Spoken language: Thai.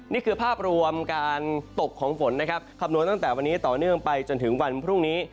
นี่คือภาพรวมการตกของฝนนะครับคำนวณตั้งแต่วันนี้ต่อเนื่องไปจนถึงวันพรุ่งนี้